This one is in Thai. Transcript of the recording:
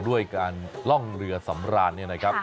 ด้วยการล่องเรือสำราง